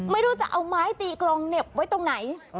ไม่รู้จะเอาไม้ตีกลองเหน็บไว้ตรงไหน